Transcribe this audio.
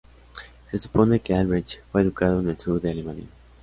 Se supone que Albrecht fue educado en el sur de Alemania.